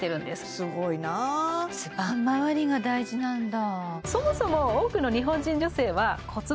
すごいな骨盤まわりが大事なんだ